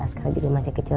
askara juga masih kecil